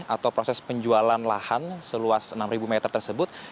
atau proses penjualan lahan seluas enam meter tersebut